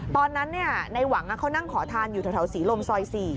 ตอนนั้นในหวังเขานั่งขอทานอยู่แถวศรีลมซอย๔